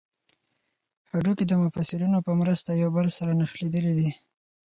هډوکي د مفصلونو په مرسته یو بل سره نښلیدلي دي